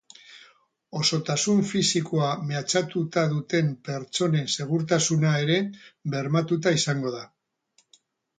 Osotasun fisikoa mehatxatuta duten pertsonen segurtasuna ere bermatuta izango da.